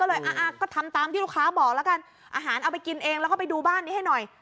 ก็เลยก็ทำตามที่ลูกค้าบอกแล้วกันอาหารเอาไปกินเองแล้วก็ไปดูบ้านนี้ให้หน่อย